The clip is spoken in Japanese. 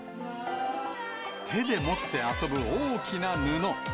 手で持って遊ぶ大きな布。